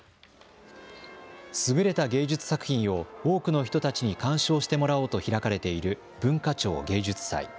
優れた芸術作品を多くの人たちに鑑賞してもらおうと開かれている文化庁芸術祭。